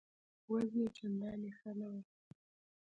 وضع یې چنداني ښه نه ده.